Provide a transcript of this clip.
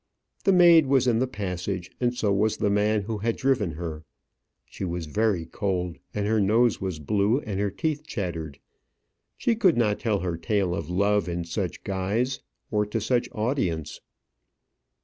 The maid was in the passage, and so was the man who had driven her. She was very cold, and her nose was blue, and her teeth chattered. She could not tell her tale of love in such guise, or to such audience.